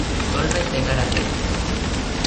¡ Golpes de kárate!